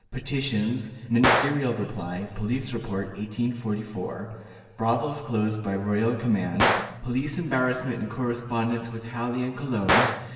Petitions. Ministerial Reply. Police Report, 1844. Brothels closed by royal Command. Police Embarrassment, and Correspondence with Halle and Cologne.